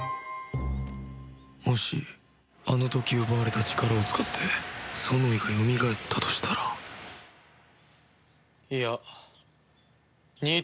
もしあの時奪われた力を使ってソノイがよみがえったとしたらいや似ていない。